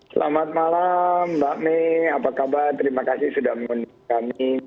selamat malam mbak may apa kabar terima kasih sudah mengundang kami